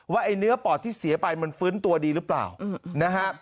ไอ้เนื้อปอดที่เสียไปมันฟื้นตัวดีหรือเปล่านะฮะ